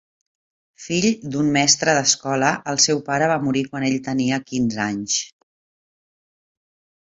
Fill d'un mestre d'escola, el seu pare va morir quan ell tenia quinze anys.